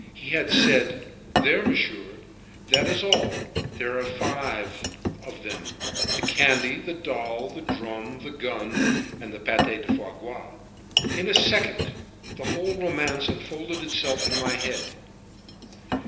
He had said: "There, monsieur, that is all. There are five of them: the candy, the doll, the drum, the gun, and the pate de foies gras." Then, in a second, a whole romance unfolded itself in my head.